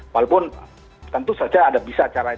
walaupun tentu saja ada bisa caranya